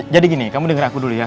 jadi gini kamu denger aku dulu ya